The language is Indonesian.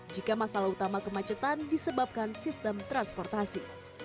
jika masalah utama kemacetan disebabkan sistem transportasi